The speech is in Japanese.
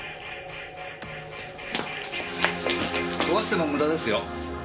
壊しても無駄ですよ。